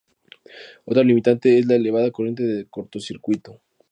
Otra limitante, es la elevada corriente de cortocircuito.